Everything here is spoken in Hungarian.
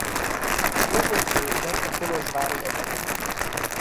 Jogot végzett a kolozsvári egyetemen.